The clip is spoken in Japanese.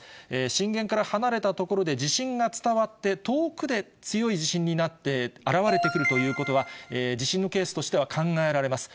震源から離れた所で地震が伝わって、遠くで強い地震になって現われてくるということは、地震のケースとしては考えられます。